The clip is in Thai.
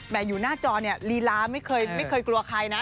อยู่หน้าจอเนี่ยลีลาไม่เคยกลัวใครนะ